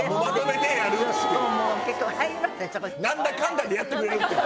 何だかんだでやってくれるっていう。